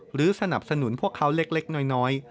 หรือสนับสนุนพวกเขาเล็กน้อย